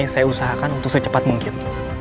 saya usahakan untuk secepat mungkin